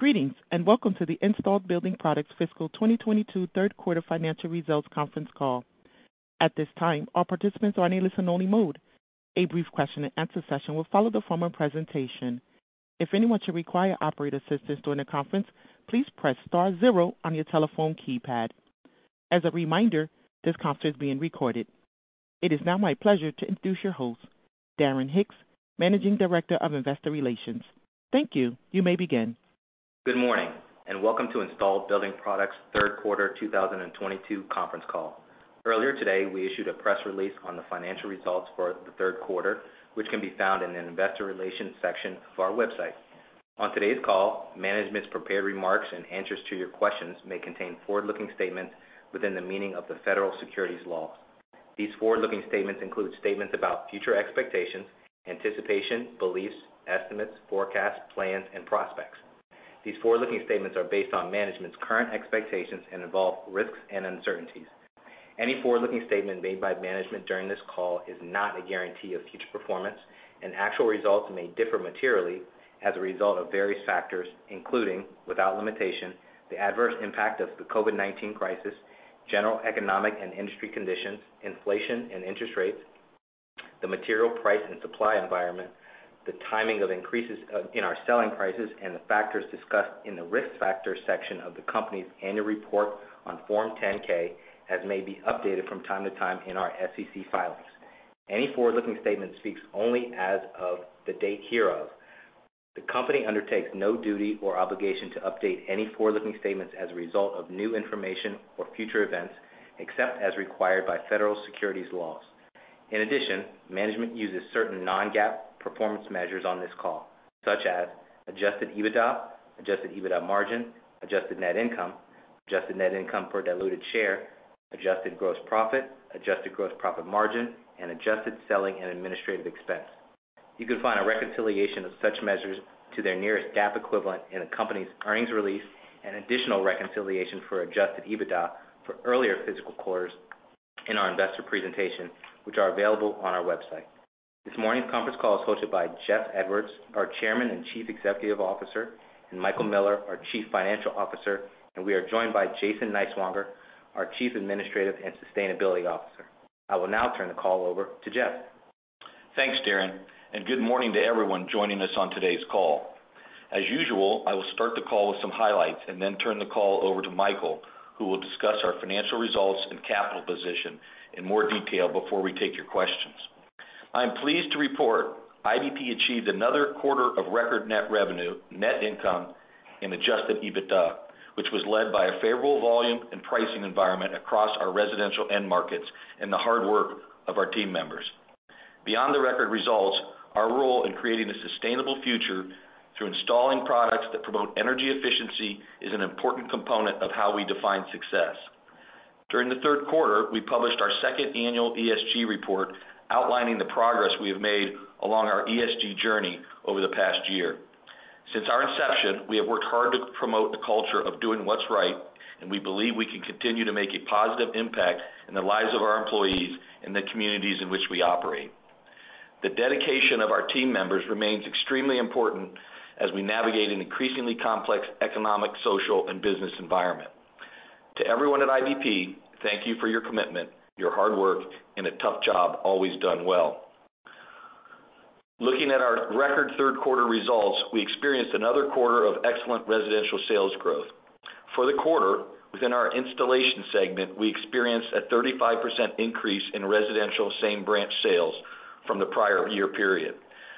Greetings, and welcome to the Installed Building Products Fiscal 2022 third quarter financial results conference call. At this time, all participants are in a listen-only mode. A brief question-and-answer session will follow the formal presentation. If anyone should require operator assistance during the conference, please press star zero on your telephone keypad. As a reminder, this conference is being recorded. It is now my pleasure to introduce your host, Darren Hicks, Managing Director of Investor Relations. Thank you. You may begin. Good morning, and welcome to Installed Building Products third quarter 2022 conference call. Earlier today, we issued a press release on the financial results for the third quarter, which can be found in the investor relations section of our website. On today's call, management's prepared remarks and answers to your questions may contain forward-looking statements within the meaning of the federal securities laws. These forward-looking statements include statements about future expectations, anticipation, beliefs, estimates, forecasts, plans, and prospects. These forward-looking statements are based on management's current expectations and involve risks and uncertainties. Any forward-looking statement made by management during this call is not a guarantee of future performance, and actual results may differ materially as a result of various factors, including, without limitation, the adverse impact of the COVID-19 crisis, general economic and industry conditions, inflation and interest rates, the material price and supply environment, the timing of increases in our selling prices, and the factors discussed in the Risk Factors section of the company's annual report on Form 10-K as may be updated from time to time in our SEC filings. Any forward-looking statement speaks only as of the date hereof. The company undertakes no duty or obligation to update any forward-looking statements as a result of new information or future events, except as required by federal securities laws. In addition, management uses certain non-GAAP performance measures on this call, such as adjusted EBITDA, adjusted EBITDA margin, adjusted net income, adjusted net income per diluted share, adjusted gross profit, adjusted gross profit margin, and adjusted selling and administrative expense. You can find a reconciliation of such measures to their nearest GAAP equivalent in the company's earnings release and additional reconciliation for adjusted EBITDA for earlier fiscal quarters in our investor presentation, which are available on our website. This morning's conference call is hosted by Jeff Edwards, our Chairman and Chief Executive Officer, and Michael Miller, our Chief Financial Officer, and we are joined by Jason Niswonger, our Chief Administrative and Sustainability Officer. I will now turn the call over to Jeff. Thanks, Darren, and good morning to everyone joining us on today's call. As usual, I will start the call with some highlights and then turn the call over to Michael, who will discuss our financial results and capital position in more detail before we take your questions. I am pleased to report IBP achieved another quarter of record net revenue, net income and adjusted EBITDA, which was led by a favorable volume and pricing environment across our residential end markets and the hard work of our team members. Beyond the record results, our role in creating a sustainable future through installing products that promote energy efficiency is an important component of how we define success. During the third quarter, we published our second annual ESG report outlining the progress we have made along our ESG journey over the past year. Since our inception, we have worked hard to promote the culture of doing what's right, and we believe we can continue to make a positive impact in the lives of our employees and the communities in which we operate. The dedication of our team members remains extremely important as we navigate an increasingly complex economic, social, and business environment. To everyone at IBP, thank you for your commitment, your hard work in a tough job always done well. Looking at our record third quarter results, we experienced another quarter of excellent residential sales growth. For the quarter, within our installation segment, we experienced a 35% increase in residential same branch sales from the prior year period,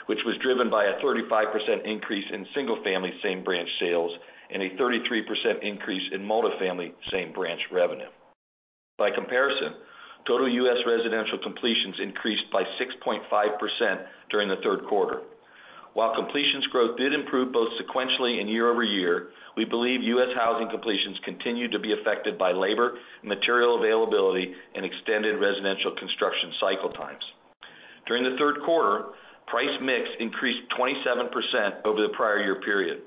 which was driven by a 35% increase in single-family same branch sales and a 33% increase in multifamily same branch revenue. By comparison, total U.S. residential completions increased by 6.5% during the third quarter. While completions growth did improve both sequentially and year-over-year, we believe U.S. housing completions continue to be affected by labor, material availability, and extended residential construction cycle times. During the third quarter, price mix increased 27% over the prior year period.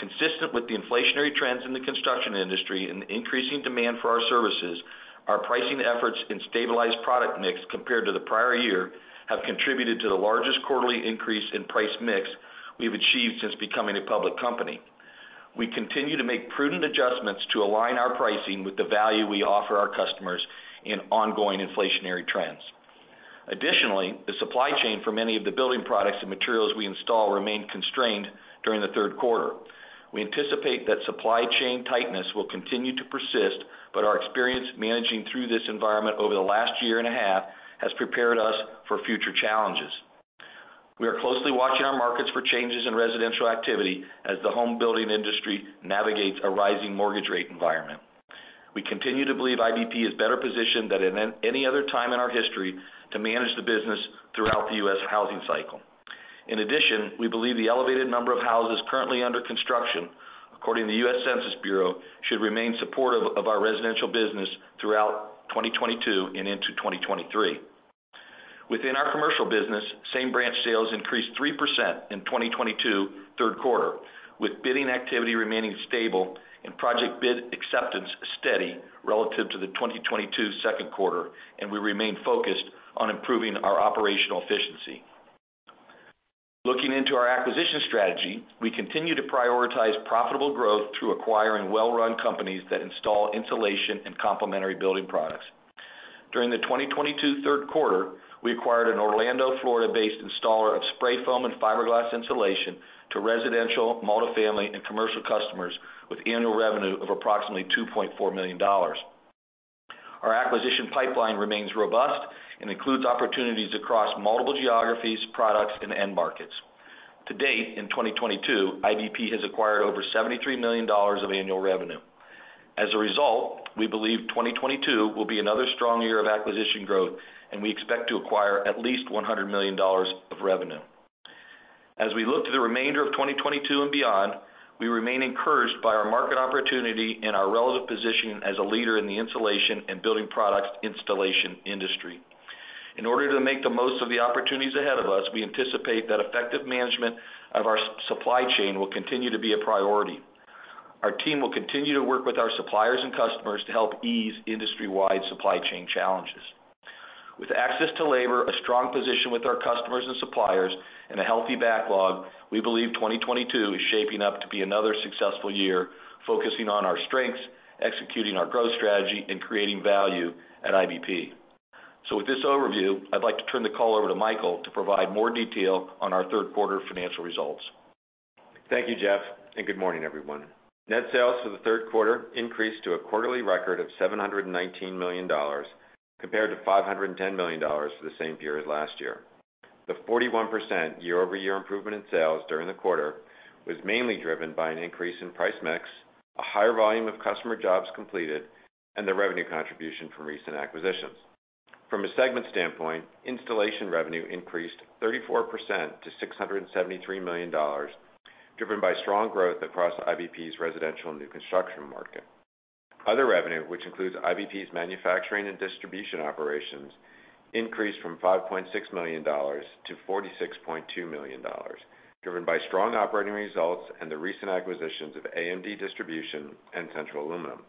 Consistent with the inflationary trends in the construction industry and the increasing demand for our services, our pricing efforts and stabilized product mix compared to the prior year have contributed to the largest quarterly increase in price mix we've achieved since becoming a public company. We continue to make prudent adjustments to align our pricing with the value we offer our customers in ongoing inflationary trends. Additionally, the supply chain for many of the building products and materials we install remained constrained during the third quarter. We anticipate that supply chain tightness will continue to persist, but our experience managing through this environment over the last year and a half has prepared us for future challenges. We are closely watching our markets for changes in residential activity as the home building industry navigates a rising mortgage rate environment. We continue to believe IBP is better positioned than at any other time in our history to manage the business throughout the US housing cycle. In addition, we believe the elevated number of houses currently under construction, according to the U.S. Census Bureau, should remain supportive of our residential business throughout 2022 and into 2023. Within our commercial business, same branch sales increased 3% in 2022 third quarter, with bidding activity remaining stable and project bid acceptance steady relative to the 2022 second quarter, and we remain focused on improving our operational efficiency. Looking into our acquisition strategy, we continue to prioritize profitable growth through acquiring well-run companies that install insulation and complementary building products. During the 2022 third quarter, we acquired an Orlando, Florida-based installer of spray foam and fiberglass insulation to residential, multifamily, and commercial customers with annual revenue of approximately $2.4 million. Our acquisition pipeline remains robust and includes opportunities across multiple geographies, products, and end markets. To date, in 2022, IBP has acquired over $73 million of annual revenue. As a result, we believe 2022 will be another strong year of acquisition growth, and we expect to acquire at least $100 million of revenue. As we look to the remainder of 2022 and beyond, we remain encouraged by our market opportunity and our relative position as a leader in the insulation and building products installation industry. In order to make the most of the opportunities ahead of us, we anticipate that effective management of our supply chain will continue to be a priority. Our team will continue to work with our suppliers and customers to help ease industry-wide supply chain challenges. With access to labor, a strong position with our customers and suppliers, and a healthy backlog, we believe 2022 is shaping up to be another successful year, focusing on our strengths, executing our growth strategy, and creating value at IBP. With this overview, I'd like to turn the call over to Michael to provide more detail on our third quarter financial results. Thank you, Jeff, and good morning, everyone. Net sales for the third quarter increased to a quarterly record of $719 million compared to $510 million for the same period last year. The 41% year-over-year improvement in sales during the quarter was mainly driven by an increase in price mix, a higher volume of customer jobs completed, and the revenue contribution from recent acquisitions. From a segment standpoint, installation revenue increased 34% to $673 million, driven by strong growth across IBP's residential new construction market. Other revenue, which includes IBP's manufacturing and distribution operations, increased from $5.6 million to $46.2 million, driven by strong operating results and the recent acquisitions of AMD Distribution and Central Aluminum.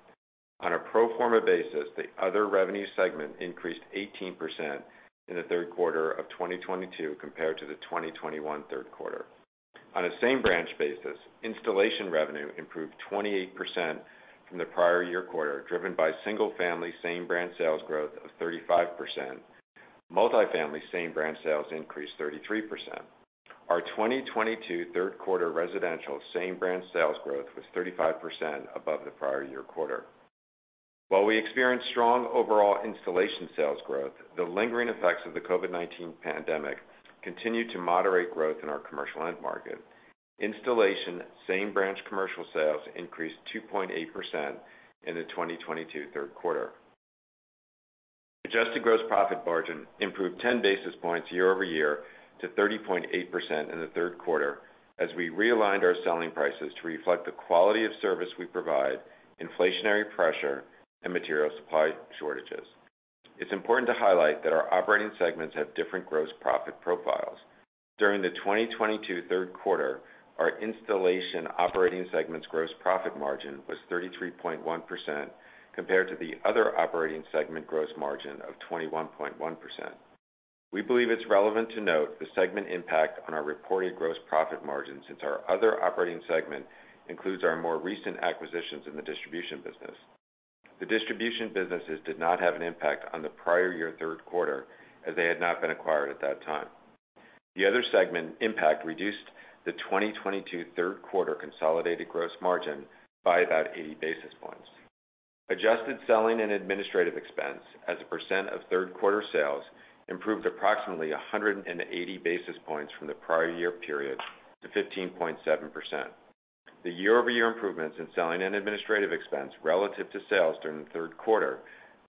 On a pro forma basis, the other revenue segment increased 18% in the third quarter of 2022 compared to the 2021 third quarter. On a same branch basis, installation revenue improved 28% from the prior year quarter, driven by single family same branch sales growth of 35%. Multifamily same branch sales increased 33%. Our 2022 third quarter residential same branch sales growth was 35% above the prior year quarter. While we experienced strong overall installation sales growth, the lingering effects of the COVID-19 pandemic continued to moderate growth in our commercial end market. Installation same branch commercial sales increased 2.8% in the 2022 third quarter. Adjusted gross profit margin improved 10 basis points year-over-year to 30.8% in the third quarter as we realigned our selling prices to reflect the quality of service we provide, inflationary pressure, and material supply shortages. It's important to highlight that our operating segments have different gross profit profiles. During the 2022 third quarter, our installation operating segment's gross profit margin was 33.1% compared to the other operating segment gross margin of 21.1%. We believe it's relevant to note the segment impact on our reported gross profit margin since our other operating segment includes our more recent acquisitions in the distribution business. The distribution businesses did not have an impact on the prior year third quarter as they had not been acquired at that time. The other segment impact reduced the 2022 third quarter consolidated gross margin by about 80 basis points. Adjusted selling and administrative expense as a percent of third quarter sales improved approximately 180 basis points from the prior year period to 15.7%. The year-over-year improvements in selling and administrative expense relative to sales during the third quarter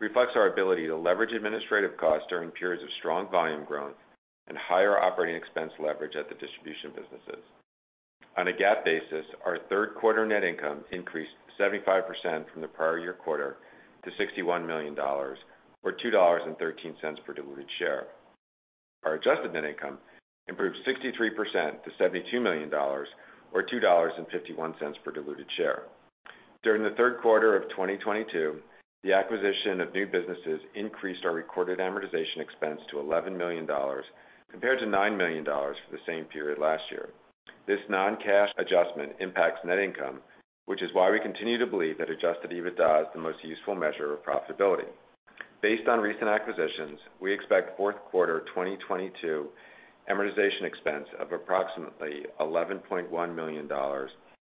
reflects our ability to leverage administrative costs during periods of strong volume growth and higher operating expense leverage at the distribution businesses. On a GAAP basis, our third quarter net income increased 75% from the prior year quarter to $61 million or $2.13 per diluted share. Our adjusted net income improved 63% to $72 million or $2.51 per diluted share. During the third quarter of 2022, the acquisition of new businesses increased our recorded amortization expense to $11 million compared to $9 million for the same period last year. This non-cash adjustment impacts net income, which is why we continue to believe that Adjusted EBITDA is the most useful measure of profitability. Based on recent acquisitions, we expect fourth quarter 2022 amortization expense of approximately $11.1 million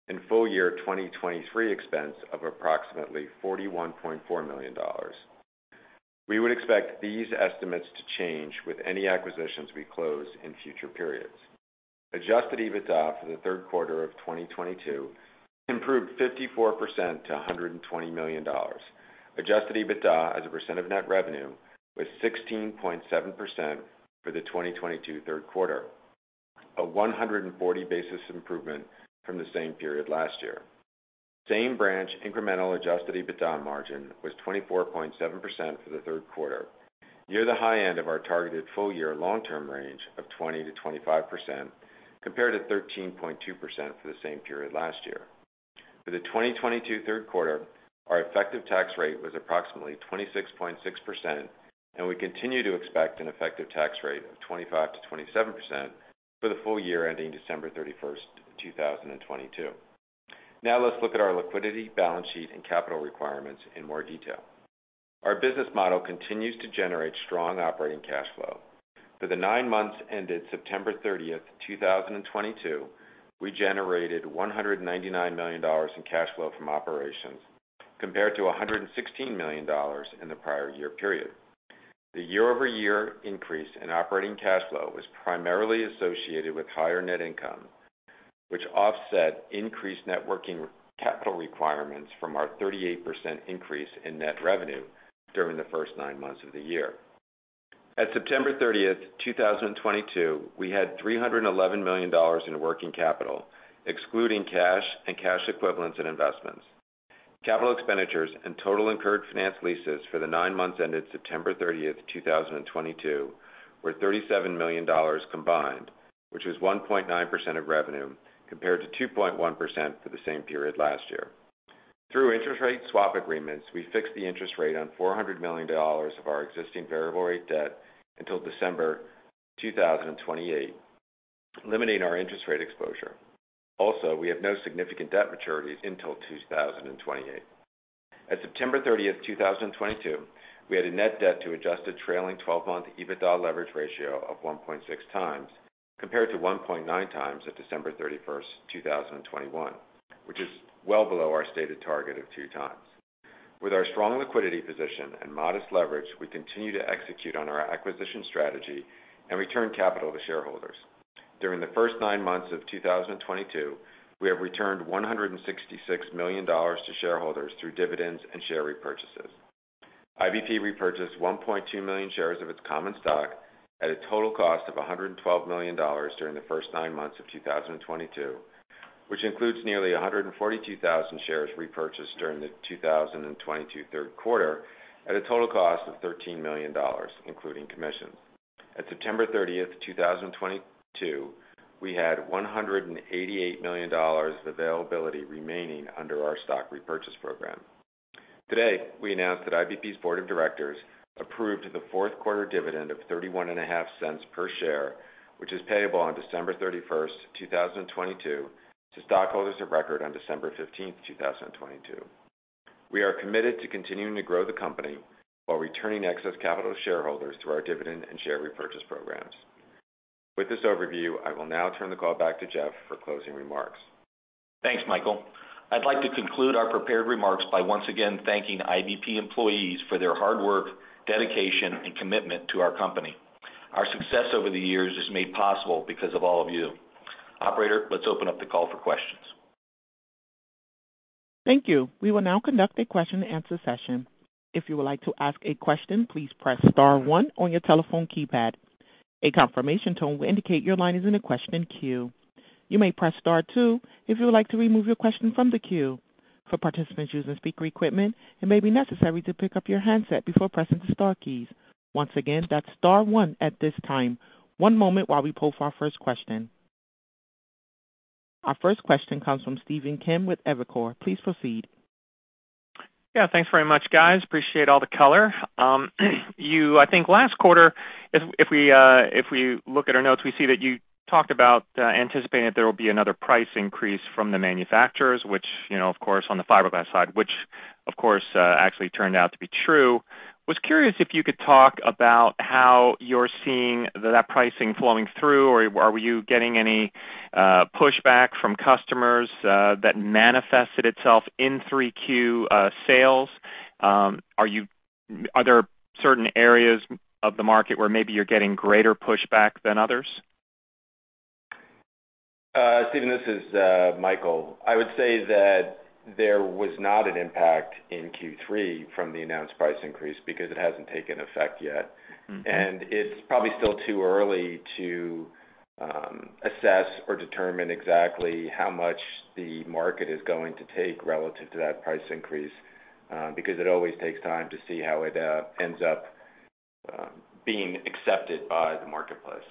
and full year 2023 expense of approximately $41.4 million. We would expect these estimates to change with any acquisitions we close in future periods. Adjusted EBITDA for the third quarter of 2022 improved 54% to $120 million. Adjusted EBITDA as a percent of net revenue was 16.7% for the 2022 third quarter, a 140 basis points improvement from the same period last year. Same branch incremental adjusted EBITDA margin was 24.7% for the third quarter, near the high end of our targeted full year long-term range of 20%-25% compared to 13.2% for the same period last year. For the 2022 third quarter, our effective tax rate was approximately 26.6%, and we continue to expect an effective tax rate of 25%-27% for the full year ending December 31st, 2022. Now let's look at our liquidity, balance sheet, and capital requirements in more detail. Our business model continues to generate strong operating cash flow. For the nine months ended September 30th, 2022, we generated $199 million in cash flow from operations compared to $116 million in the prior year period. The year-over-year increase in operating cash flow was primarily associated with higher net income, which offset increased net working capital requirements from our 38% increase in net revenue during the first nine months of the year. At September 30th, 2022, we had $311 million in working capital, excluding cash and cash equivalents and investments. Capital expenditures and total incurred finance leases for the nine months ended September 30th, 2022, were $37 million combined, which was 1.9% of revenue, compared to 2.1% for the same period last year. Through interest rate swap agreements, we fixed the interest rate on $400 million of our existing variable rate debt until December 2028, limiting our interest rate exposure. We have no significant debt maturities until 2028. At September 30th, 2022, we had a net debt to adjusted trailing twelve-month EBITDA leverage ratio of 1.6x compared to 1.9x at December 31, 2021, which is well below our stated target of 2x. With our strong liquidity position and modest leverage, we continue to execute on our acquisition strategy and return capital to shareholders. During the first nine months of 2022, we have returned $166 million to shareholders through dividends and share repurchases. IBP repurchased 1.2 million shares of its common stock at a total cost of $112 million during the first nine months of 2022, which includes nearly 142,000 shares repurchased during the 2022 third quarter at a total cost of $13 million, including commissions. At September 30th, 2022, we had $188 million of availability remaining under our stock repurchase program. Today, we announced that IBP's board of directors approved the fourth quarter dividend of $0.315 per share, which is payable on December 31st, 2022 to stockholders of record on December 15th, 2022. We are committed to continuing to grow the company while returning excess capital to shareholders through our dividend and share repurchase programs. With this overview, I will now turn the call back to Jeff for closing remarks. Thanks, Michael. I'd like to conclude our prepared remarks by once again thanking IBP employees for their hard work, dedication, and commitment to our company. Our success over the years is made possible because of all of you. Operator, let's open up the call for questions. Thank you. We will now conduct a question and answer session. If you would like to ask a question, please press star one on your telephone keypad. A confirmation tone will indicate your line is in a question queue. You may press star two if you would like to remove your question from the queue. For participants using speaker equipment, it may be necessary to pick up your handset before pressing the star keys. Once again, that's star one at this time. One moment while we poll for our first question. Our first question comes from Stephen Kim with Evercore. Please proceed. Yeah. Thanks very much, guys. Appreciate all the color. I think last quarter, if we look at our notes, we see that you talked about anticipating that there will be another price increase from the manufacturers, which, you know, of course, on the fiberglass side, which of course actually turned out to be true. Was curious if you could talk about how you're seeing that pricing flowing through or are you getting any pushback from customers that manifested itself in 3Q sales? Are there certain areas of the market where maybe you're getting greater pushback than others? Stephen, this is Michael. I would say that there was not an impact in Q3 from the announced price increase because it hasn't taken effect yet. Mm-hmm. It's probably still too early to assess or determine exactly how much the market is going to take relative to that price increase, because it always takes time to see how it ends up being accepted by the marketplace.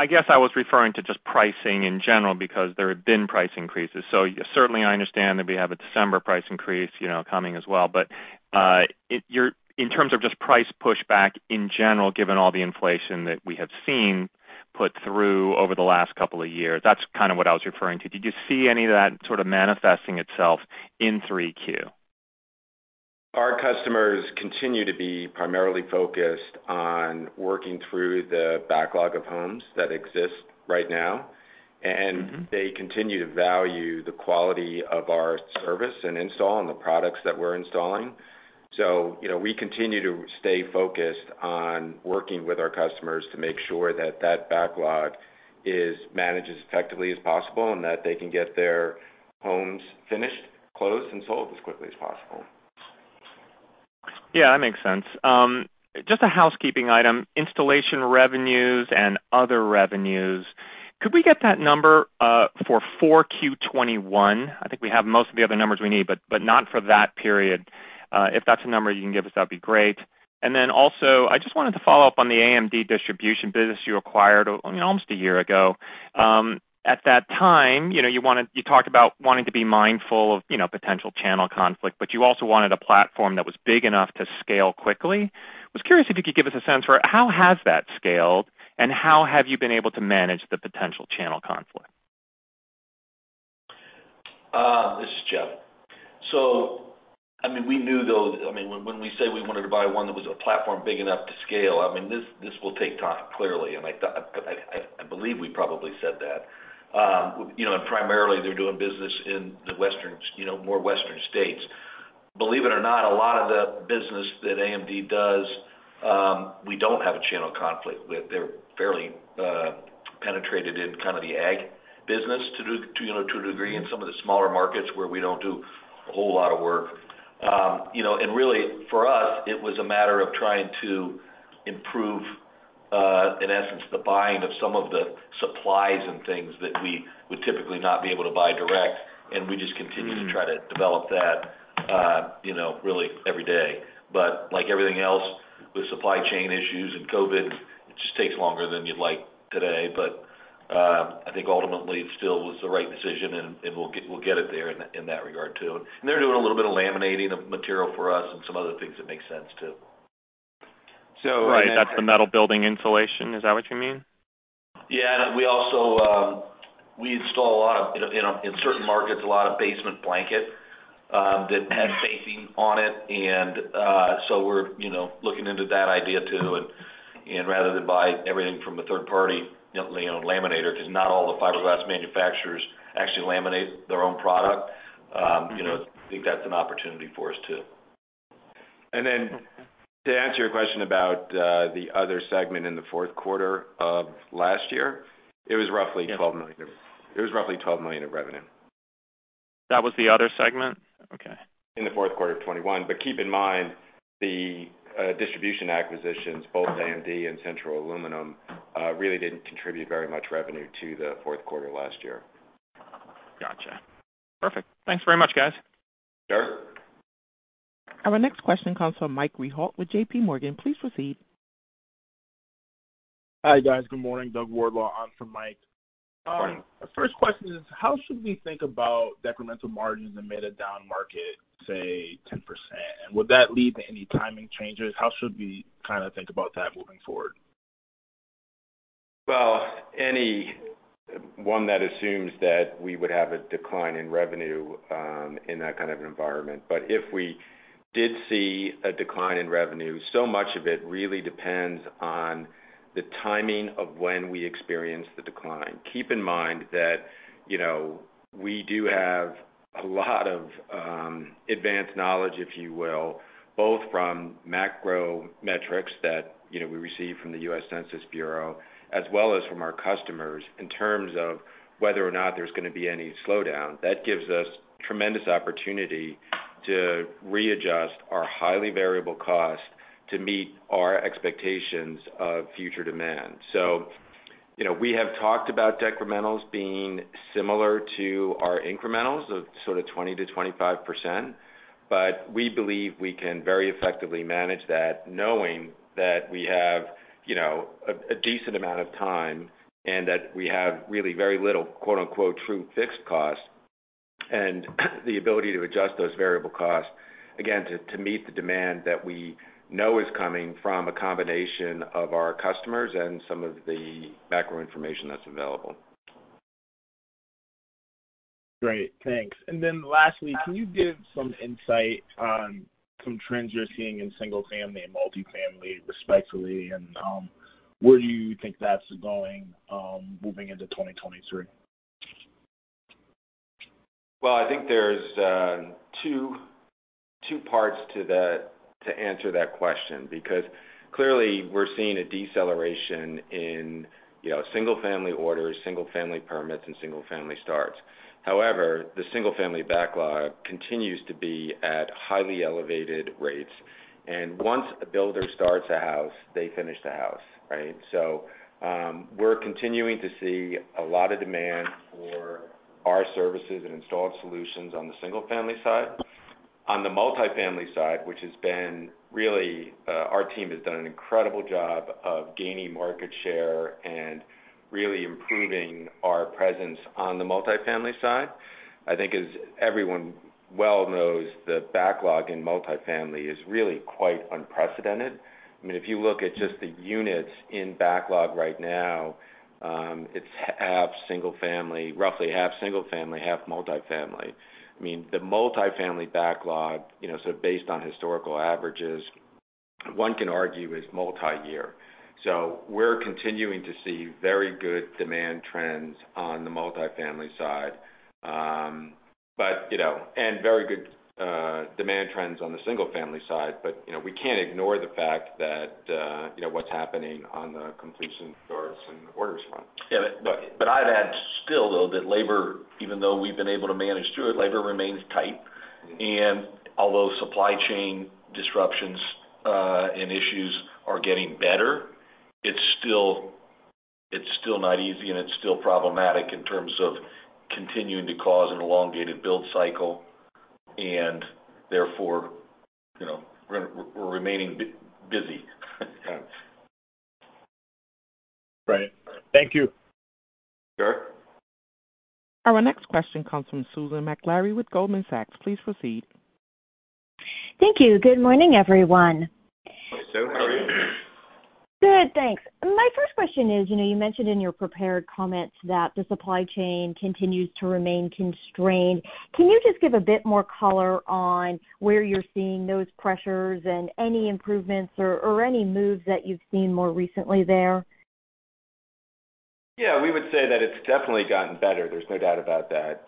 I guess I was referring to just pricing in general because there have been price increases. Certainly I understand that we have a December price increase, you know, coming as well. In terms of just price pushback in general, given all the inflation that we have seen put through over the last couple of years, that's kind of what I was referring to. Did you see any of that sort of manifesting itself in 3Q? Our customers continue to be primarily focused on working through the backlog of homes that exist right now. Mm-hmm. They continue to value the quality of our service and install and the products that we're installing. You know, we continue to stay focused on working with our customers to make sure that that backlog is managed as effectively as possible and that they can get their homes finished, closed, and sold as quickly as possible. Yeah, that makes sense. Just a housekeeping item. Installation revenues and other revenues. Could we get that number for 4Q 2021? I think we have most of the other numbers we need, but not for that period. If that's a number you can give us, that'd be great. I just wanted to follow up on the AMD Distribution business you acquired, I mean, almost a year ago. At that time, you know, you talked about wanting to be mindful of, you know, potential channel conflict, but you also wanted a platform that was big enough to scale quickly. Was curious if you could give us a sense for how has that scaled, and how have you been able to manage the potential channel conflict? This is Jeff. I mean, we knew those. I mean, when we say we wanted to buy one that was a platform big enough to scale, I mean, this will take time, clearly, and I believe we probably said that. You know, primarily they're doing business in the western, you know, more western states. Believe it or not, a lot of the business that AMD does, we don't have a channel conflict with. They're fairly penetrated in kind of the ag business to, you know, to a degree in some of the smaller markets where we don't do a whole lot of work. You know, really for us, it was a matter of trying to improve, in essence the buying of some of the supplies and things that we would typically not be able to buy direct, and we just continue to try to develop that, you know, really every day. Like everything else with supply chain issues and COVID, it just takes longer than you'd like today. I think ultimately it still was the right decision and we'll get it there in that regard too. They're doing a little bit of laminating of material for us and some other things that make sense too. So- Right. That's the metal building insulation. Is that what you mean? Yeah. We also install a lot of basement blanket in certain markets that has facing on it. We're, you know, looking into that idea too. Rather than buy everything from a third party, you know, laminator, 'cause not all the fiberglass manufacturers actually laminate their own product. You know, I think that's an opportunity for us too. To answer your question about the other segment in the fourth quarter of last year, it was roughly $12 million of revenue. That was the other segment? Okay. In the fourth quarter of 2021. Keep in mind, the distribution acquisitions, both AMD and Central Aluminum, really didn't contribute very much revenue to the fourth quarter last year. Gotcha. Perfect. Thanks very much, guys. Sure. Our next question comes from Mike Rehaut with JPMorgan. Please proceed. Hi, guys. Good morning. Doug Wardlaw on for Mike. Morning. The first question is, how should we think about decremental margins that made a down market, say, 10%? Would that lead to any timing changes? How should we kinda think about that moving forward? Well, anyone that assumes that we would have a decline in revenue in that kind of an environment. If we did see a decline in revenue, so much of it really depends on the timing of when we experience the decline. Keep in mind that, you know, we do have a lot of advanced knowledge, if you will, both from macro metrics that, you know, we receive from the U.S. Census Bureau as well as from our customers in terms of whether or not there's gonna be any slowdown. That gives us tremendous opportunity to readjust our highly variable costs to meet our expectations of future demand. You know, we have talked about decrementals being similar to our incrementals of sort of 20%-25%, but we believe we can very effectively manage that knowing that we have, you know, a decent amount of time and that we have really very little, quote-unquote, "true fixed costs" and the ability to adjust those variable costs, again, to meet the demand that we know is coming from a combination of our customers and some of the macro information that's available. Great. Thanks. Lastly, can you give some insight on some trends you're seeing in single family and multifamily respectively, and where do you think that's going, moving into 2023? Well, I think there's two parts to answer that question. Because clearly we're seeing a deceleration in, you know, single family orders, single family permits, and single family starts. However, the single family backlog continues to be at highly elevated rates. Once a builder starts a house, they finish the house, right? We're continuing to see a lot of demand for our services and installed solutions on the single family side. On the multifamily side, which has been really, our team has done an incredible job of gaining market share and really improving our presence on the multifamily side. I think as everyone well knows, the backlog in multifamily is really quite unprecedented. I mean, if you look at just the units in backlog right now, it's half single family, roughly half single family, half multifamily. I mean, the multifamily backlog, you know, so based on historical averages, one can argue is multi-year. We're continuing to see very good demand trends on the multifamily side. You know, and very good demand trends on the single family side. You know, we can't ignore the fact that, you know, what's happening on the completion starts and orders front. Yeah. I'd add still though that labor, even though we've been able to manage through it, labor remains tight. Although supply chain disruptions, and issues are getting better, it's still- It's still not easy and it's still problematic in terms of continuing to cause an elongated build cycle and therefore, you know, we're remaining busy. Right. Thank you. Sure. Our next question comes from Susan Maklari with Goldman Sachs. Please proceed. Thank you. Good morning, everyone. Hi, Sue. How are you? Good, thanks. My first question is, you know, you mentioned in your prepared comments that the supply chain continues to remain constrained. Can you just give a bit more color on where you're seeing those pressures and any improvements or any moves that you've seen more recently there? Yeah, we would say that it's definitely gotten better. There's no doubt about that.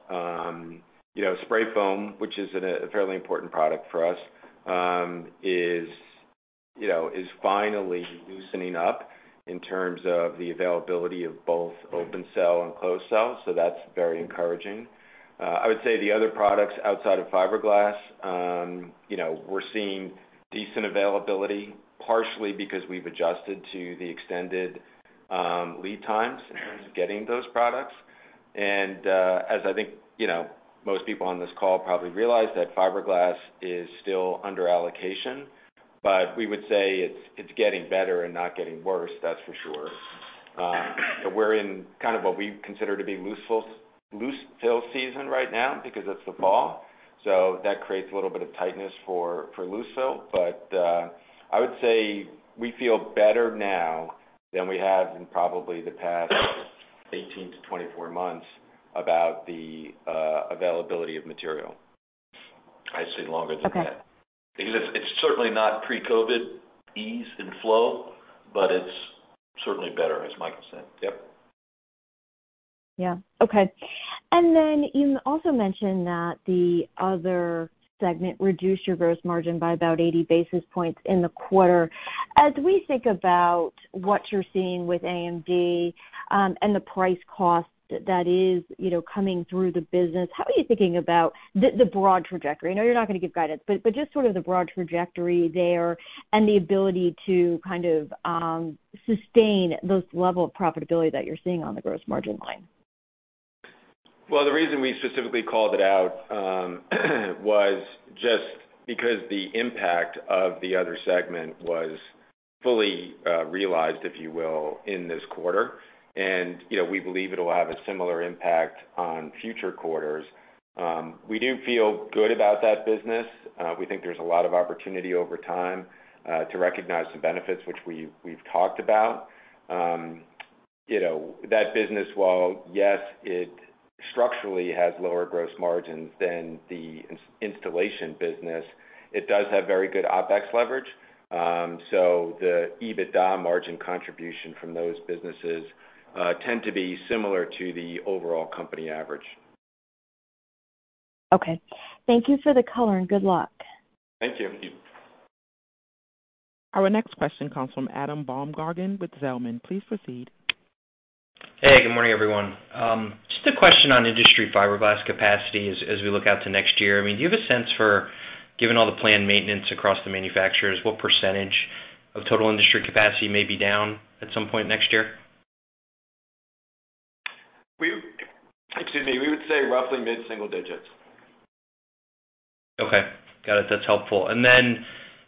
You know, spray foam, which is a fairly important product for us, is finally loosening up in terms of the availability of both open cell and closed cell, so that's very encouraging. I would say the other products outside of fiberglass, you know, we're seeing decent availability, partially because we've adjusted to the extended lead times in terms of getting those products. As I think you know, most people on this call probably realize that fiberglass is still under allocation. We would say it's getting better and not getting worse, that's for sure. We're in kind of what we consider to be loose fill season right now because it's the fall, so that creates a little bit of tightness for loose fill. I would say we feel better now than we have in probably the past 18-24 months about the availability of material. I'd say longer than that. Okay. Because it's certainly not pre-COVID ease and flow, but it's certainly better, as Michael said. Yep. Yeah. Okay. You also mentioned that the other segment reduced your gross margin by about 80 basis points in the quarter. As we think about what you're seeing with AMD, and the price cost that is, you know, coming through the business, how are you thinking about the broad trajectory? I know you're not gonna give guidance, but just sort of the broad trajectory there and the ability to kind of sustain those level of profitability that you're seeing on the gross margin line. Well, the reason we specifically called it out was just because the impact of the other segment was fully realized, if you will, in this quarter. You know, we believe it will have a similar impact on future quarters. We do feel good about that business. We think there's a lot of opportunity over time to recognize the benefits which we've talked about. You know, that business, while, yes, it structurally has lower gross margins than the installation business, it does have very good OpEx leverage. So the EBITDA margin contribution from those businesses tend to be similar to the overall company average. Okay. Thank you for the color, and good luck. Thank you. Our next question comes from Adam Baumgarten with Zelman. Please proceed. Hey, good morning, everyone. Just a question on industry fiberglass capacity as we look out to next year. I mean, do you have a sense for, given all the planned maintenance across the manufacturers, what percentage of total industry capacity may be down at some point next year? Excuse me. We would say roughly mid-single digits. Okay. Got it. That's helpful.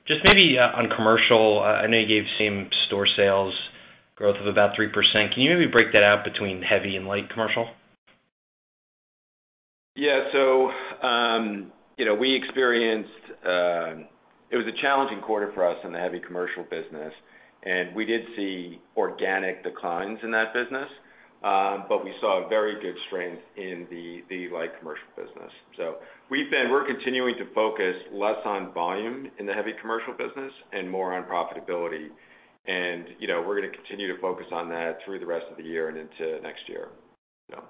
Just maybe, on commercial, I know you gave same store sales growth of about 3%. Can you maybe break that out between heavy and light commercial? Yeah. You know, we experienced. It was a challenging quarter for us in the heavy commercial business, and we did see organic declines in that business, but we saw very good strength in the light commercial business. We're continuing to focus less on volume in the heavy commercial business and more on profitability. You know, we're gonna continue to focus on that through the rest of the year and into next year. Yeah.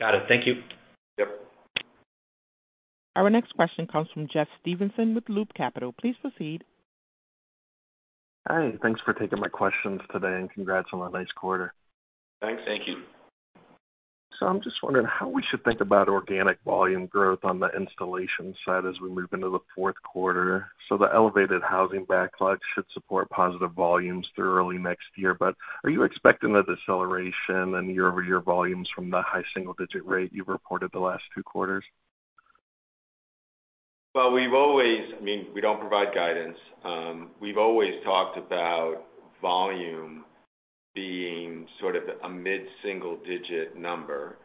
Got it. Thank you. Yep. Our next question comes from Jeff Stevenson with Loop Capital. Please proceed. Hi. Thanks for taking my questions today, and congrats on a nice quarter. Thanks. Thank you. I'm just wondering how we should think about organic volume growth on the installation side as we move into the fourth quarter. The elevated housing backlog should support positive volumes through early next year, but are you expecting a deceleration in year-over-year volumes from the high single-digit rate you've reported the last two quarters? Well, I mean, we don't provide guidance. We've always talked about volume being sort of a mid-single digit number.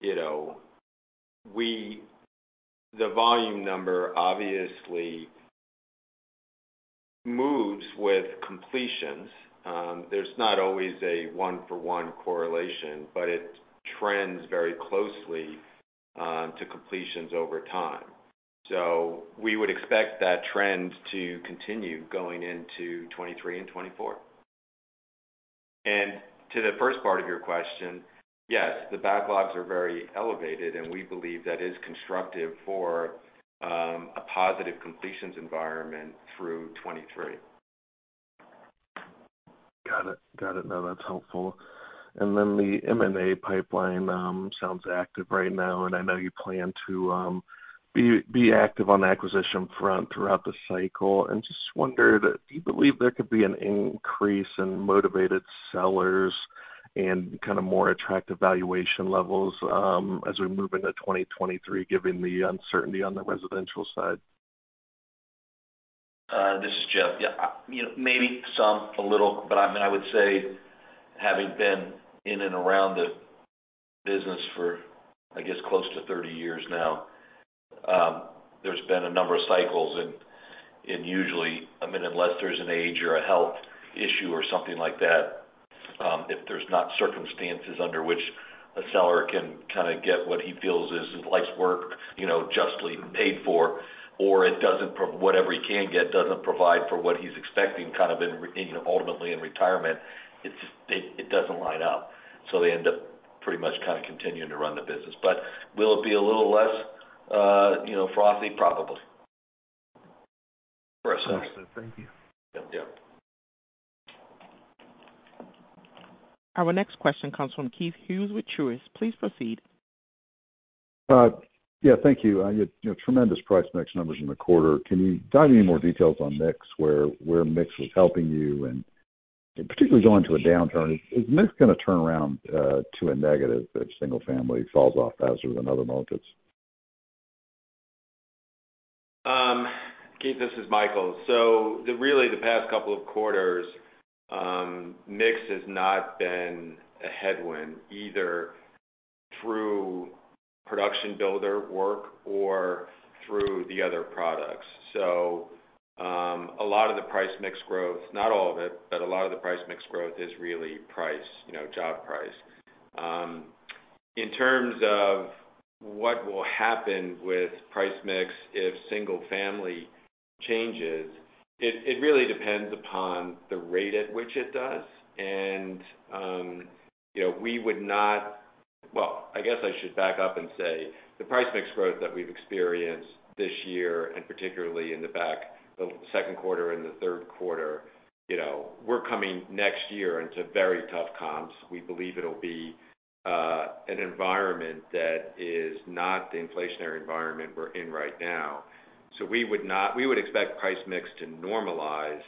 You know, the volume number obviously moves with completions. There's not always a one-for-one correlation, but it trends very closely to completions over time. We would expect that trend to continue going into 2023 and 2024. To the first part of your question, yes, the backlogs are very elevated, and we believe that is constructive for a positive completions environment through 2023. Got it. No, that's helpful. The M&A pipeline sounds active right now, and I know you plan to be active on the acquisition front throughout the cycle. I just wondered, do you believe there could be an increase in motivated sellers and kind of more attractive valuation levels as we move into 2023, given the uncertainty on the residential side? This is Jeff. Yeah, you know, maybe some, a little, but I mean, I would say having been in and around the business for, I guess, close to 30 years now, there's been a number of cycles, and usually, I mean, unless there's an age or a health issue or something like that, if there's not circumstances under which a seller can kinda get what he feels is his life's work, you know, justly paid for, or whatever he can get doesn't provide for what he's expecting kind of in, you know, ultimately in retirement, it's just, it doesn't line up. They end up pretty much kind of continuing to run the business. Will it be a little less, you know, frothy? Probably. Understood. Thank you. Yeah. Our next question comes from Keith Hughes with Truist. Please proceed. Yeah, thank you. You had, you know, tremendous price mix numbers in the quarter. Can you give any more details on mix, where mix was helping you and particularly going to a downturn, is mix gonna turn around to a negative if single-family falls off faster than other markets? Keith, this is Michael. Really, the past couple of quarters, mix has not been a headwind, either through production builder work or through the other products. A lot of the price mix growth, not all of it, but a lot of the price mix growth is really price, you know, job price. In terms of what will happen with price mix if single family changes, it really depends upon the rate at which it does. You know, well, I guess I should back up and say the price mix growth that we've experienced this year, and particularly in the back half, the second quarter and the third quarter, you know, we're coming next year into very tough comps. We believe it'll be an environment that is not the inflationary environment we're in right now. We would expect price mix to normalize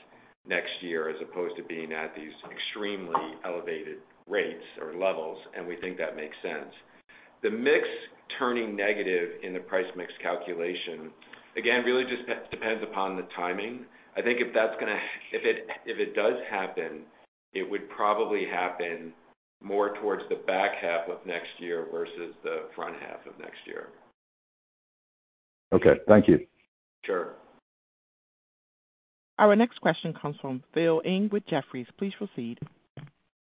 next year as opposed to being at these extremely elevated rates or levels, and we think that makes sense. The mix turning negative in the price mix calculation, again, really just depends upon the timing. I think if it does happen, it would probably happen more towards the back half of next year versus the front half of next year. Okay. Thank you. Sure. Our next question comes from Phil Ng with Jefferies. Please proceed.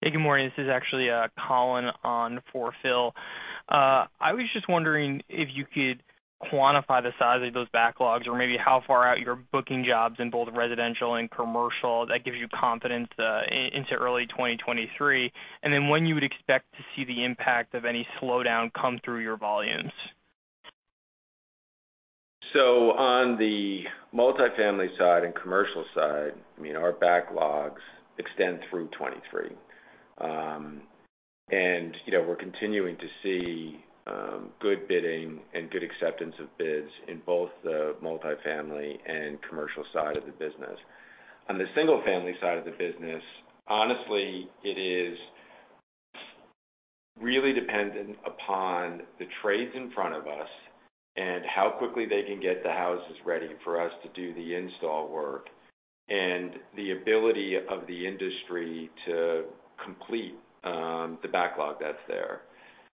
Hey, good morning. This is actually, Collin Verron on for Phil. I was just wondering if you could quantify the size of those backlogs or maybe how far out you're booking jobs in both residential and commercial that gives you confidence into early 2023, and then when you would expect to see the impact of any slowdown come through your volumes. On the multifamily side and commercial side, I mean, our backlogs extend through 2023. You know, we're continuing to see good bidding and good acceptance of bids in both the multifamily and commercial side of the business. On the single-family side of the business, honestly, it is really dependent upon the trades in front of us and how quickly they can get the houses ready for us to do the install work and the ability of the industry to complete the backlog that's there.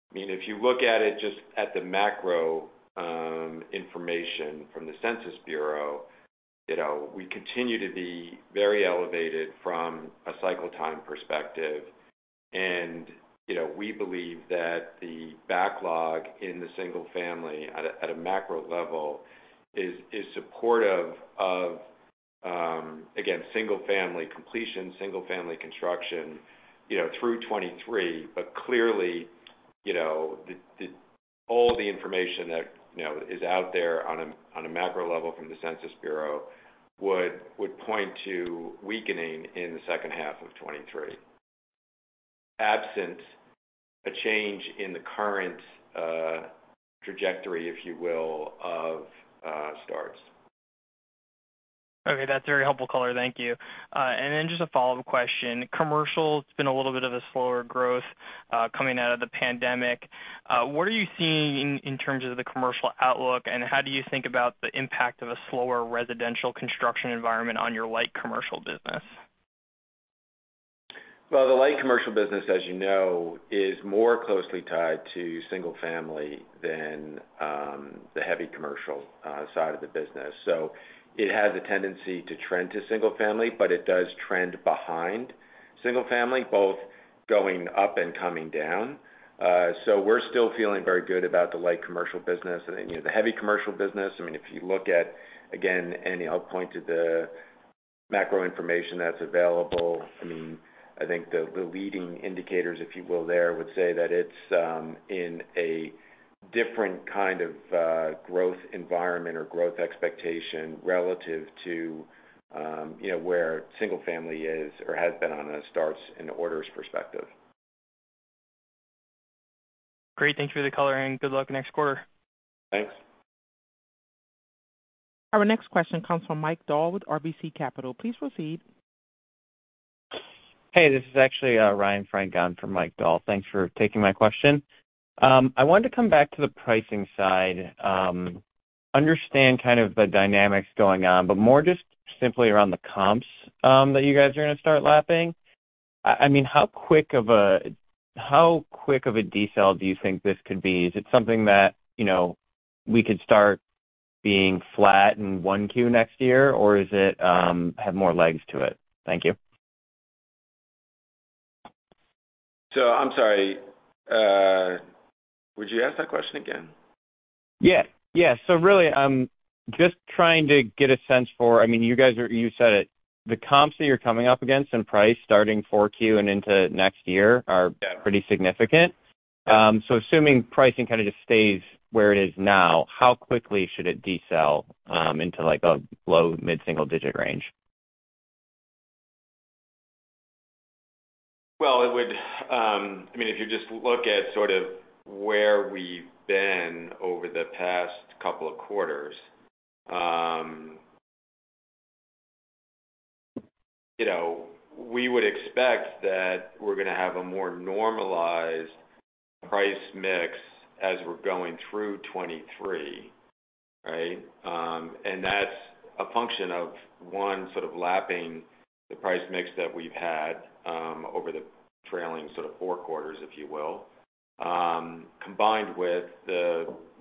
I mean, if you look at it just at the macro information from the U.S. Census Bureau, you know, we continue to be very elevated from a cycle time perspective. You know, we believe that the backlog in the single family at a macro level is supportive of, again, single family completion, single family construction, you know, through 2023. Clearly, you know, all the information that, you know, is out there on a macro level from the U.S. Census Bureau would point to weakening in the second half of 2023, absent a change in the current trajectory, if you will, of starts. Okay. That's very helpful color. Thank you. Just a follow-up question. Commercial, it's been a little bit of a slower growth coming out of the pandemic. What are you seeing in terms of the commercial outlook, and how do you think about the impact of a slower residential construction environment on your light commercial business? Well, the light commercial business, as you know, is more closely tied to single family than the heavy commercial side of the business. It has a tendency to trend to single family, but it does trend behind single family, both going up and coming down. We're still feeling very good about the light commercial business. You know, the heavy commercial business, I mean, if you look at, again, I'll point to the macro information that's available, I mean, I think the leading indicators, if you will, there would say that it's in a different kind of growth environment or growth expectation relative to you know, where single-family is or has been on a starts and orders perspective. Great. Thanks for the color. Good luck next quarter. Thanks. Our next question comes from Mike Dahl with RBC Capital. Please proceed. Hey, this is actually Ryan Frank going for Mike Dahl. Thanks for taking my question. I wanted to come back to the pricing side, understand kind of the dynamics going on, but more just simply around the comps that you guys are gonna start lapping. I mean, how quick of a decel do you think this could be? Is it something that, you know, we could start being flat in 1Q next year, or is it have more legs to it? Thank you. I'm sorry, would you ask that question again? Really, I'm just trying to get a sense for, I mean, you guys are, you said it, the comps that you're coming up against in price starting 4Q and into next year are pretty significant. Assuming pricing kind of just stays where it is now, how quickly should it decel into like a low- to mid-single-digit range? Well, it would. I mean, if you just look at sort of where we've been over the past couple of quarters, you know, we would expect that we're gonna have a more normalized price mix as we're going through 2023, right? That's a function of one sort of lapping the price mix that we've had over the trailing sort of four quarters, if you will, combined with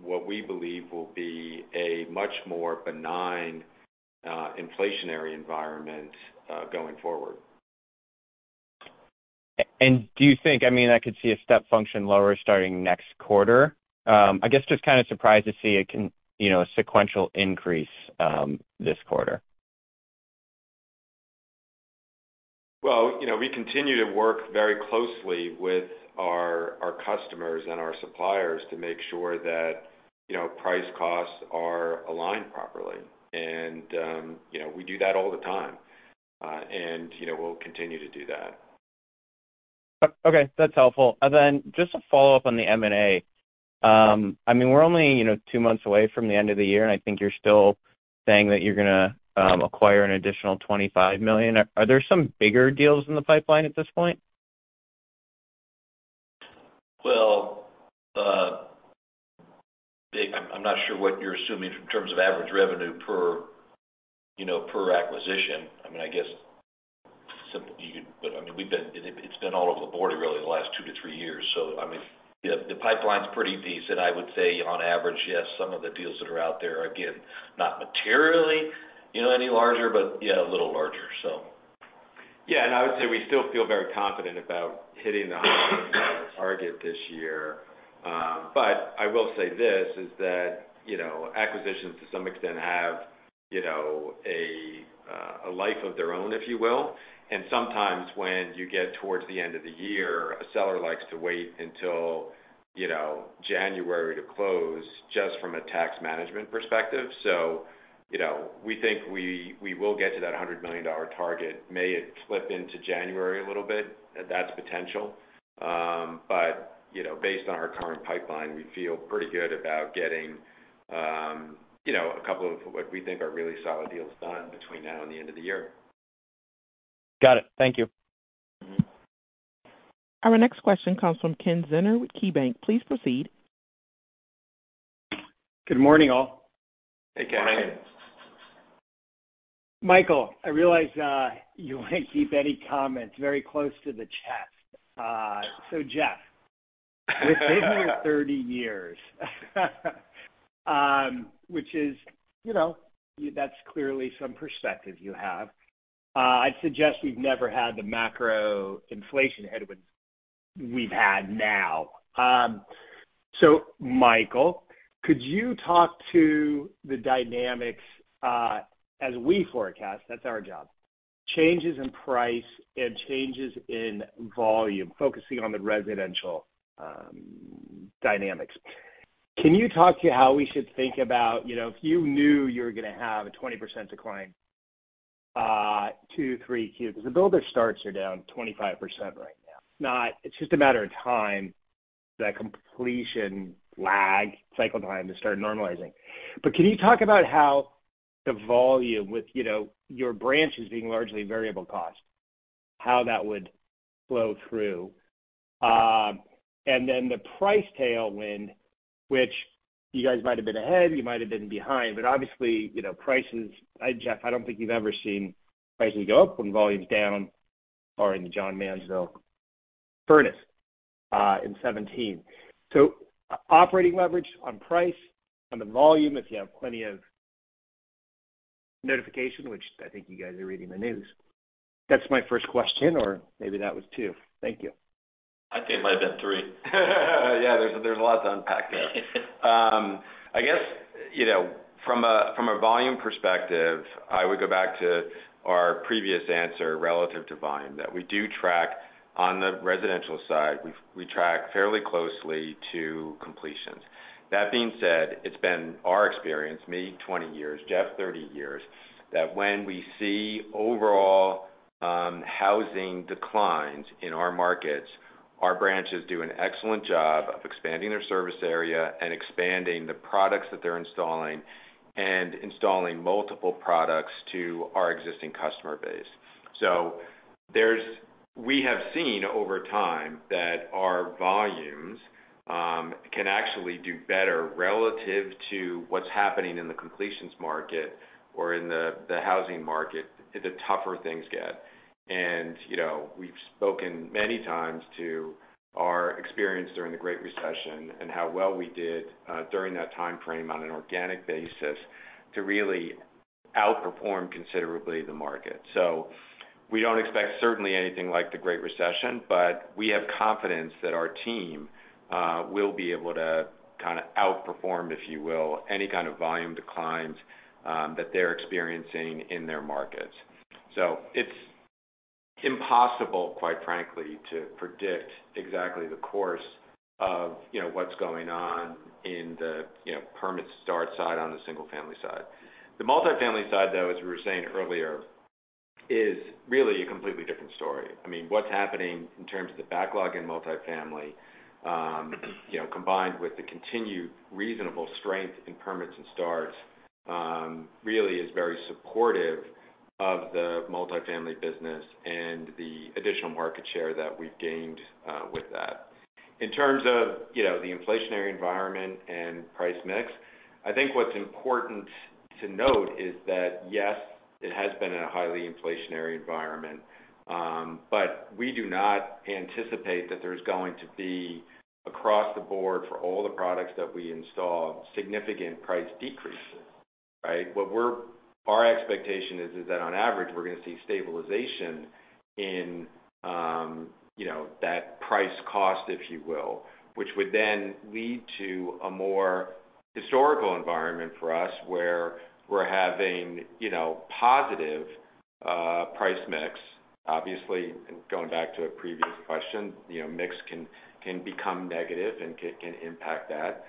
what we believe will be a much more benign inflationary environment going forward. Do you think, I mean, I could see a step function lower starting next quarter. I guess just kind of surprised to see a constant, you know, a sequential increase this quarter. Well, you know, we continue to work very closely with our customers and our suppliers to make sure that, you know, price costs are aligned properly. You know, we do that all the time, and, you know, we'll continue to do that. Okay, that's helpful. Just a follow-up on the M&A. I mean, we're only, you know, two months away from the end of the year, and I think you're still saying that you're gonna acquire an additional $25 million. Are there some bigger deals in the pipeline at this point? Well, Dave, I'm not sure what you're assuming in terms of average revenue per, you know, per acquisition. I mean, we've been all over the board really in the last two to three years. I mean, yeah, the pipeline's pretty decent. I would say on average, yes, some of the deals that are out there, again, not materially, you know, any larger, but yeah, a little larger, so. Yeah, I would say we still feel very confident about hitting the $100 million target this year. I will say this, that is, you know, acquisitions to some extent have, you know, a life of their own, if you will. Sometimes when you get towards the end of the year, a seller likes to wait until, you know, January to close just from a tax management perspective. We think we will get to that $100 million target. May it slip into January a little bit? That's potential. Based on our current pipeline, we feel pretty good about getting, you know, a couple of what we think are really solid deals done between now and the end of the year. Got it. Thank you. Mm-hmm. Our next question comes from Ken Zener with KeyBanc. Please proceed. Good morning, all. Hey, Ken. Morning. Michael, I realize you wanna keep any comments very close to the chest. It's been 30 years, which is, you know, that's clearly some perspective you have. I'd suggest we've never had the macro inflation headwinds we've had now. Michael, could you talk to the dynamics as we forecast, that's our job, changes in price and changes in volume, focusing on the residential dynamics. Can you talk to how we should think about, you know, if you knew you were gonna have a 20% decline, two, three Qs, 'cause the builder starts are down 25% right now. It's just a matter of time, that completion lag cycle time to start normalizing. But can you talk about how the volume with, you know, your branches being largely variable cost, how that would flow through? The price tailwind, which you guys might have been ahead, you might have been behind, but obviously, you know, prices, Jeff, I don't think you've ever seen prices go up when volume's down or in the Johns Manville furnace in 2017. Operating leverage on price, on the volume, if you have plenty of notification, which I think you guys are reading the news. That's my first question or maybe that was two. Thank you. I think it might have been three. Yeah, there's a lot to unpack there. I guess, you know, from a volume perspective, I would go back to our previous answer relative to volume, that we do track on the residential side. We track fairly closely to completions. That being said, it's been our experience, me 20 years, Jeff 30 years, that when we see overall housing declines in our markets, our branches do an excellent job of expanding their service area and expanding the products that they're installing and installing multiple products to our existing customer base. We have seen over time that our volumes can actually do better relative to what's happening in the completions market or in the housing market, the tougher things get. You know, we've spoken many times to our experience during the Great Recession and how well we did during that time frame on an organic basis to really outperform considerably the market. We don't expect certainly anything like the Great Recession, but we have confidence that our team will be able to kinda outperform, if you will, any kind of volume declines that they're experiencing in their markets. It's impossible, quite frankly, to predict exactly the course of, you know, what's going on in the, you know, permit start side on the single-family side. The multifamily side, though, as we were saying earlier, is really a completely different story. I mean, what's happening in terms of the backlog in multifamily, you know, combined with the continued reasonable strength in permits and starts, really is very supportive of the multifamily business and the additional market share that we've gained, with that. In terms of, you know, the inflationary environment and price mix, I think what's important to note is that, yes, it has been a highly inflationary environment, but we do not anticipate that there's going to be across the board for all the products that we install, significant price decreases, right? Our expectation is that on average, we're gonna see stabilization in, you know, that price cost, if you will, which would then lead to a more historical environment for us where we're having, you know, positive, price mix. Obviously, going back to a previous question, you know, mix can become negative and can impact that.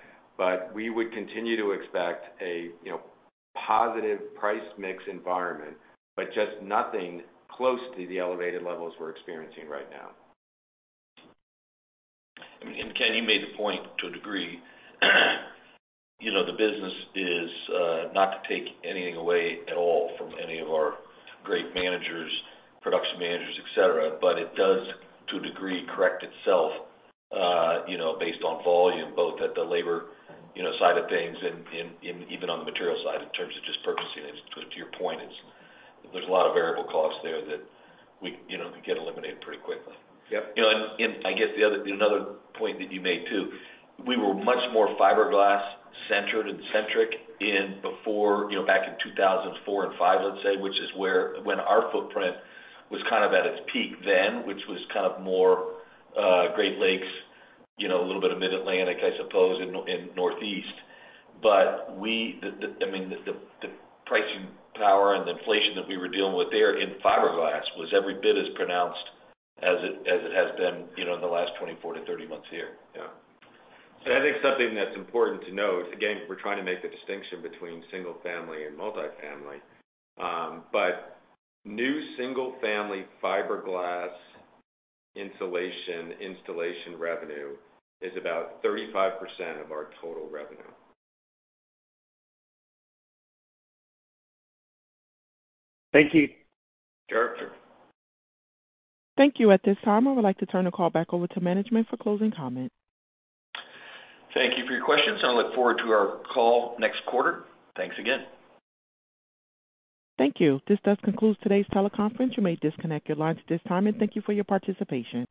We would continue to expect a, you know, positive price mix environment, but just nothing close to the elevated levels we're experiencing right now. Ken, you made the point to a degree, you know, the business is not to take anything away at all from any of our great managers, production managers, et cetera, but it does, to a degree, correct itself, you know, based on volume, both at the labor, you know, side of things and even on the material side in terms of just purchasing it. To your point, it's, there's a lot of variable costs there that we, you know, can get eliminated pretty quickly. Yep. You know, and I guess another point that you made, too, we were much more fiberglass-centered and centric in before, you know, back in 2004 and 2005, let's say, which is when our footprint was kind of at its peak then, which was kind of more, Great Lakes, you know, a little bit of Mid-Atlantic, I suppose, and Northeast. But I mean, the pricing power and the inflation that we were dealing with there in fiberglass was every bit as pronounced as it has been, you know, in the last 24-30 months here. Yeah. I think something that's important to note, again, we're trying to make the distinction between single-family and multifamily. New single-family fiberglass insulation installation revenue is about 35% of our total revenue. Thank you. Sure. Thank you. At this time, I would like to turn the call back over to management for closing comments. Thank you for your questions, and I look forward to our call next quarter. Thanks again. Thank you. This does conclude today's teleconference. You may disconnect your lines at this time, and thank you for your participation.